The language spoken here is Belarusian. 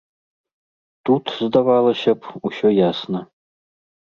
Тут, здавалася б, усё ясна.